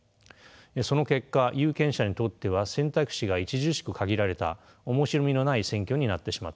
その結果有権者にとっては選択肢が著しく限られた面白みのない選挙になってしまったのです。